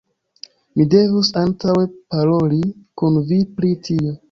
Mi devus antaŭe paroli kun vi pri tio.